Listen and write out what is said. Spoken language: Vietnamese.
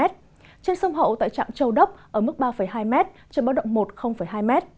trên sông hậu tại trạm châu đốc ở mức ba hai m trên báo động một hai m